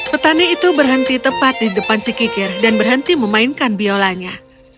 petani itu berhenti tepat di depan si kikir dan berhenti memainkan biolanya